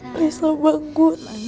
please lo bangun ya